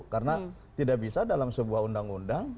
karena tidak bisa dalam sebuah undang undang